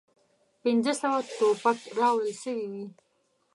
پنځه سوه توپک راوړل سوي وې.